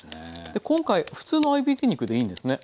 で今回普通の合いびき肉でいいんですね？